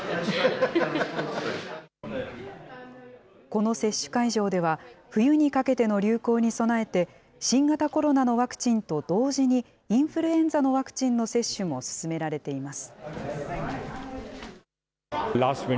この接種会場では、冬にかけての流行に備えて、新型コロナのワクチンと同時にインフルエンザのワクチンの接種も進められています。